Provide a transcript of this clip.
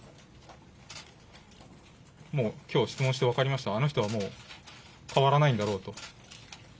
もう、きょう質問して分かりました、あの人はもう変わらないんだろうと。